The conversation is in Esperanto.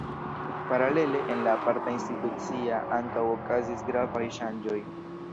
Paralele, en la aparta institucia ankaŭ okazis gravaj ŝanĝoj.